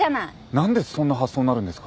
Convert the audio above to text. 何でそんな発想になるんですか？